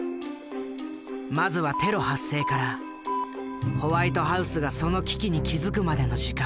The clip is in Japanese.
まずはテロ発生からホワイトハウスがその危機に気付くまでの時間。